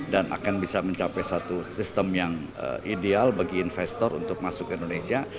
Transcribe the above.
dan akan bisa mencapai satu sistem yang ideal bagi investor untuk masuk ke indonesia